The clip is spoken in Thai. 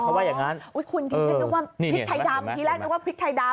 คุณคิดว่าพริกไทยดำ